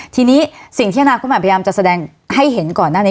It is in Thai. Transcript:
ทีนี้สิ่งที่อนาคตใหม่พยายามจะแสดงให้เห็นก่อนหน้านี้